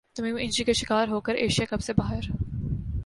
تمیم injury کا شکار ہو کر ایشیا کپ سے باہر